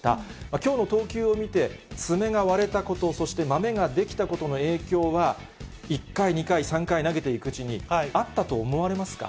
きょうの投球を見て、爪が割れたこと、そしてまめができたことの影響は、１回、２回、３回投げていくうちにあったと思われますか？